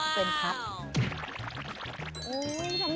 เป็นพัก